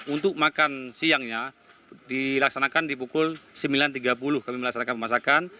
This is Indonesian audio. untuk makan siangnya dilaksanakan di pukul sembilan tiga puluh kami melaksanakan pemasakan